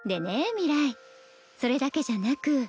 明日それだけじゃなく